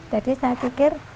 jadi saya pikir